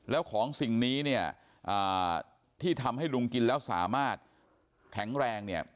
แล้วของสิ่งนี้เนี่ยที่ทำให้ลุงกินแล้วสามารถแข็งแรงเนี่ย